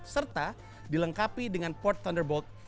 serta dilengkapi dengan port thunderbolt empat